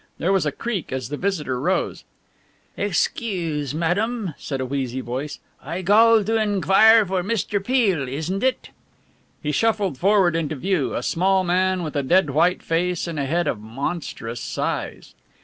There was a creak as the visitor rose. "Eggscuse, mattam," said a wheezy voice, "I gall to eng vire for Mister Peale, isn't it?" He shuffled forward into view, a small man with a dead white face and a head of monstrous size.